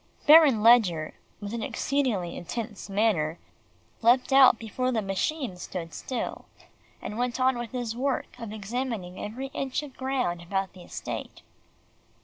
Baron Ledgar, with an exceedingly intense manner, leaped out before the machine stood still, and went on with his work of examining every inch of ground about the estate.